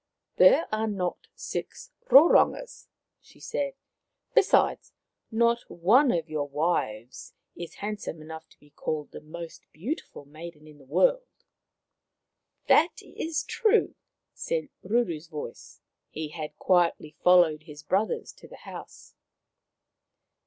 " There are not six Rorongas," she said. " Besides, not one of your wives is handsome enough to be called the most beautiful maiden in the world." " That is true," said Ruru's voice. He had quietly followed his brothers to the house.